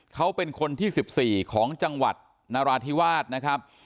เขาเป็นคนที่๑๔ของจังหวัดนราธิวาสนะครับ